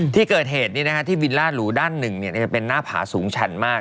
ที่เกิดเหตุที่วิลล่าหรูด้านหนึ่งจะเป็นหน้าผาสูงชันมาก